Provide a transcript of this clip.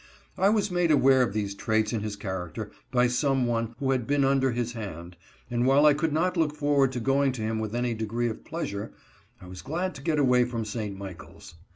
I was made aware of these traits in his character by some one who had been under his hand, and while I could not look forward to going to him with any degree of pleasure, I was glad to get away from St. Michaels.